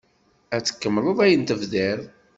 Ad tkemmleḍ ayen tebdiḍ?